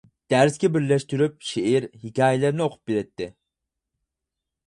دەرسكە بىرلەشتۈرۈپ شېئىر، ھېكايىلەرنى ئوقۇپ بېرەتتى.